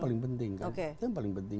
itu yang paling penting